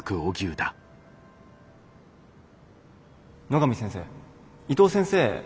野上先生伊藤先生